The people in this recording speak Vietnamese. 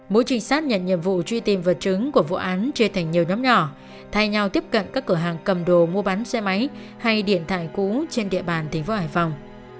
mỗi trinh sát nhận nhiệm vụ truy tìm vật chứng của vụ án chia thành nhiều nhóm nhỏ thay nhau tiếp cận các cửa hàng cầm đồ mua bán xe máy hay điện thoại cũ trên địa bàn tp hải phòng